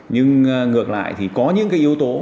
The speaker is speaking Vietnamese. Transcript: nhưng ngược lại thì có những cái yếu tố